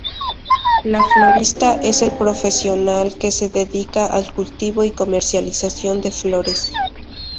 El florista es el profesional que se dedica al cultivo y comercialización de flores.